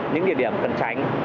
những địa điểm cần tránh